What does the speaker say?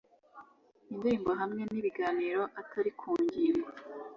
nindirimbo hamwe nibiganiro atari ku ngingo